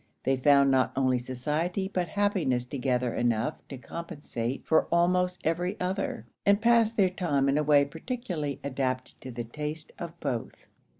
They found not only society but happiness together enough to compensate for almost every other; and passed their time in a way particularly adapted to the taste of both.